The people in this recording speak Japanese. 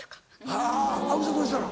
はぁ青木さんどうしてたの？